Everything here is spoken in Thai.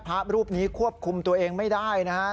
พระรูปนี้ควบคุมตัวเองไม่ได้นะครับ